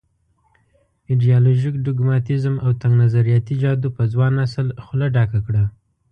ایډیالوژيک ډوګماتېزم او تنګ نظریاتي جادو په ځوان نسل خوله ډکه کړه.